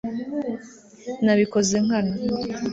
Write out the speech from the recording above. Nabikoze nkana